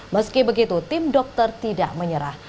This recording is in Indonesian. meski begitu tim dokter tidak menyerah